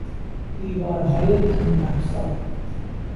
دیوارهای طنینافزا